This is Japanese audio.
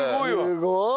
すごい！